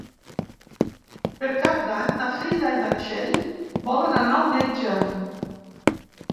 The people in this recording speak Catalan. Per Cap d'Any na Frida i na Txell volen anar al metge.